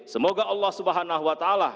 semoga allah swt